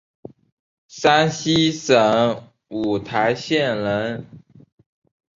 山西省五台县人。